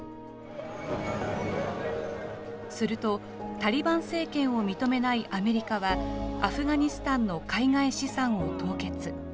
すると、タリバン政権を認めないアメリカは、アフガニスタンの海外資産を凍結。